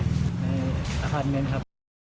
ขมมาจากอพาร์ทเมนต์ครับ